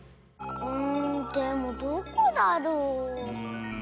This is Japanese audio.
んでもどこだろう？